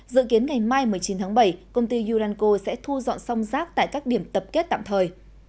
dự kiến ngày mai một mươi chín tháng bảy công ty uranco sẽ thu dọn xong rác tại các điểm tập kết tạm thời